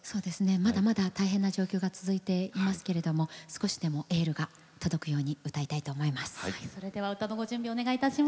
まだまだ大変な状況が続いていますが少しでもエールが届くように歌いたいと思います。